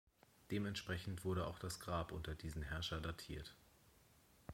Dementsprechend wurde auch das Grab unter diesen Herrscher datiert.